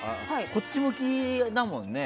こっち向きだもんね。